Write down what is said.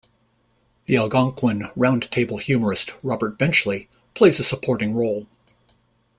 The Algonquin Round Table humorist Robert Benchley plays a supporting role.